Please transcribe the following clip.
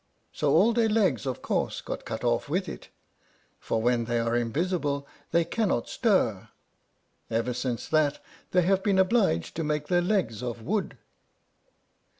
So all their legs of course got cut off with it, for when they are invisible they cannot stir. Ever since that they have been obliged to make their legs of wood."